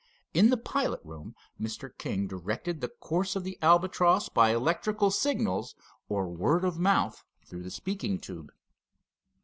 In the pilot room Mr. King directed the course of the Albatross by electric signals, or word of mouth through the speaking tube.